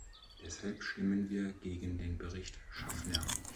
Deshalb stimmen wir gegen den Bericht Schaffner.